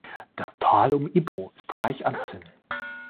Das Tal um Ipoh ist reich an Zinn.